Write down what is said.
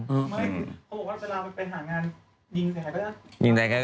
เขาบอกเวลาใช้งานยิงด้วยค่ะ